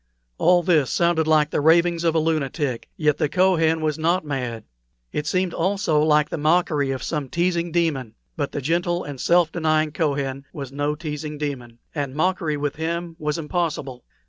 All this sounded like the ravings of a lunatic, yet the Kohen was not mad. It seemed also like the mockery of some teasing demon; but the gentle and self denying Kohen was no teasing demon, and mockery with him was impossible.